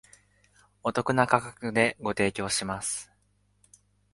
お得な価格でご提供します